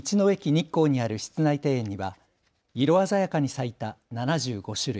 日光にある室内庭園には色鮮やかに咲いた７５種類